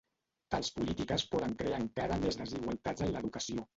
Tals polítiques poden crear encara més desigualtats en l'educació.